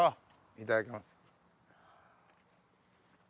いただきます。